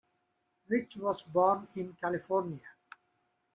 Rich was born in California.